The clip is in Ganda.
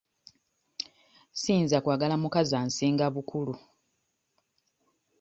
Siyinza kwagala mukazi ansinga bukulu.